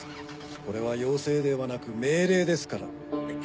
これは要請ではなく命令ですから。